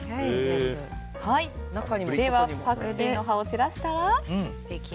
パクチーの葉を散らしたら。